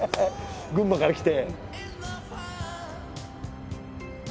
群馬から来て。